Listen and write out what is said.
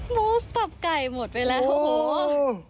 มุสตับไก่หมดไปแล้ว